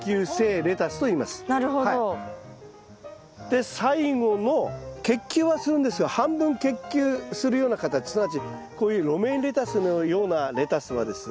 で最後の結球はするんですけど半分結球するような形すなわちこういうロメインレタスのようなレタスはですね